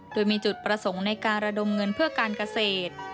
โดยมีจุดประสงค์ในการระดมเงินเพื่อการเกษตร